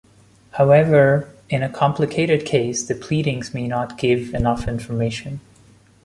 However, in a complicated case, the pleadings may not give enough information.